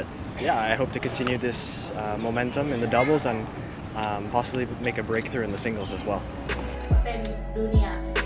tapi ya saya harap meneruskan momentum penutup dan mungkin membuat perbaikan di penutup juga